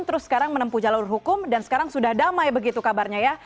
terus sekarang menempuh jalur hukum dan sekarang sudah damai begitu kabarnya ya